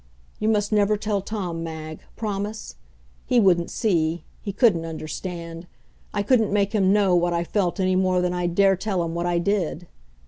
You must never tell Tom, Mag, promise! He wouldn't see. He couldn't understand. I couldn't make him know what I felt any more than I'd dare tell him what I did.